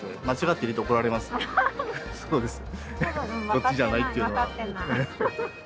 「そっちじゃない」っていうのは。